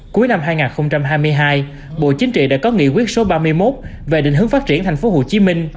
cuối năm hai nghìn hai mươi hai bộ chính trị đã có nghị quyết số ba mươi một về định hướng phát triển tp hcm